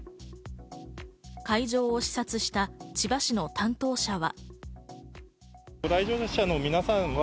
会場を視察した千葉市の担当者は。